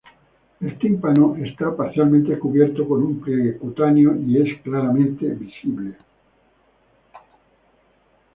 El tímpano está parcialmente cubierto con un pliegue cutáneo y es claramente visible.